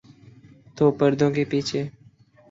تو پردوں کے پیچھے۔